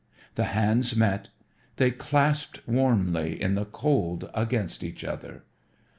The hands met. They clasped warmly in the cold against each other.